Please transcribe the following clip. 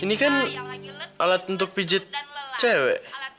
ini kan alat untuk pijit cewek